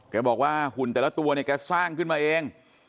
บอกว่าหุ่นแต่ละตัวเนี่ยแกสร้างขึ้นมาเอง